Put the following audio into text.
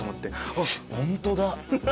あっ本当だ。